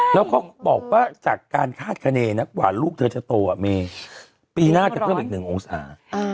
แล้วเขาบอกว่าจากการคาดคณีนะกว่าลูกเธอจะโตมีปีหน้าจะเพิ่มอีก๑องศา